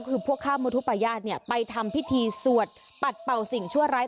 คือพวกข้ามมุทุปญาติเนี่ยไปทำพิธีสวดปัดเป่าสิ่งชั่วร้าย